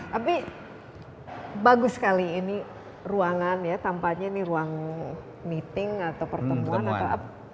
tapi bagus sekali ini ruangan ya tampaknya ini ruang meeting atau pertemuan atau apa